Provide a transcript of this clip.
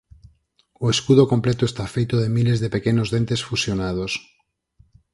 O escudo completo está feito de miles de pequenos dentes fusionados.